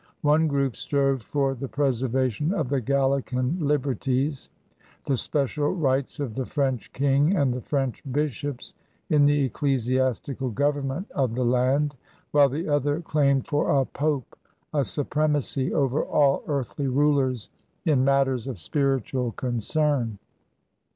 One group strove for the preservation of the Gallican liberties, the special rights of the French King and the French bishops in the ecclesi astical government of the land, while the other claimed for the Pope a supremacy over all earthly rulers in matters of spiritual concern.